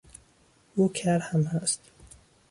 او کر هم هست.